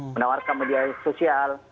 menawarkan media sosial